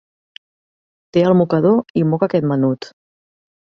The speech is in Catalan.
Té el mocador, i moca aquest menut!